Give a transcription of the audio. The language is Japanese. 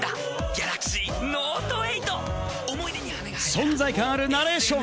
存在感のあるナレーション。